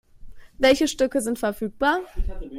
Welche Stücke sind verfügbar?